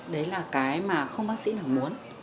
đấy là cái mà không bác sĩ nào muốn